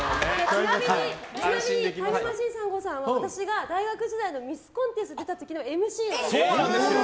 ちなみにタイムマシーン３号さんは大学時代のミスコンテストに出た時のＭＣなんです。